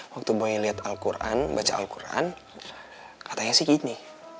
waktu mau lihat al quran baca al quran katanya sih gini